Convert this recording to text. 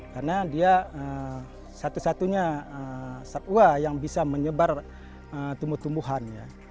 karena dia satu satunya satwa yang bisa menyebar tumbuh tumbuhan